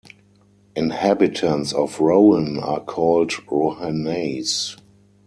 Inhabitants of Rohan are called "Rohannais".